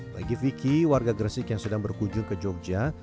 bagi vicky warga gresik yang sedang berkunjung ke jogja